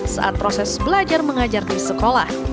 saat proses belajar mengajar di sekolah